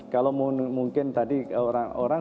kalau mungkin tadi orang